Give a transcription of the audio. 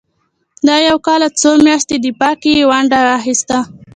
دغه یو کال او څو میاشتني دفاع کې یې ونډه واخیسته.